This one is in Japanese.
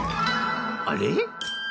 あれ？